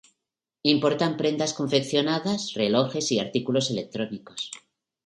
Importan prendas confeccionadas, relojes y artículos electrónicos.